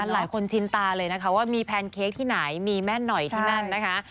หลายคนชินตาเลยนะคะว่ามีแพนเค้กที่ไหนมีแม่หน่อยที่นั่นนะคะ